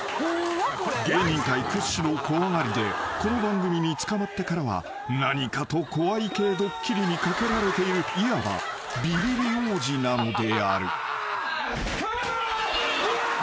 ［芸人界屈指の怖がりでこの番組に捕まってからは何かと怖い系ドッキリにかけられているいわばビビり王子なのである］